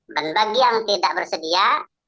bagi yang tidak bersedia